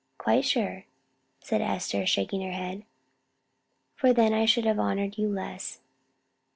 "Quite sure!" said Esther, shaking her head; "for then I should have honored you less.